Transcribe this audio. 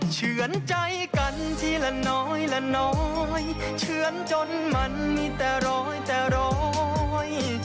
เฉือนใจกันทีละน้อยละน้อยเฉือนจนมันมีแต่ร้อยแต่ร้อย